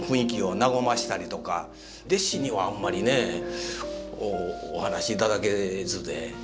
弟子にはあんまりねお話し頂けずで。